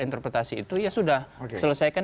interpretasi itu ya sudah selesaikan